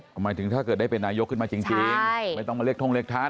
หมายถึงถ้าเกิดได้เป็นนายกขึ้นมาจริงไม่ต้องมาเรียกท่งเรียกท่าน